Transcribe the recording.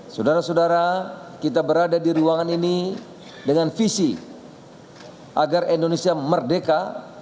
saudara saudara kita berada di ruangan ini dengan visi agar indonesia merdeka